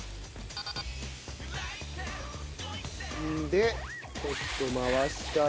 でちょっと回したら。